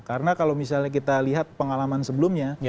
karena kalau misalnya kita lihat pengalaman sebelumnya